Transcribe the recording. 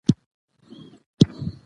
خو زموږ په کلاسيک ادب کې